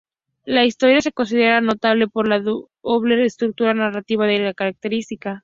La historia se considera notable por la doble estructura narrativa que la caracteriza.